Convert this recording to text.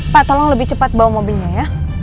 pak tolong lebih cepat bawa mobilnya ya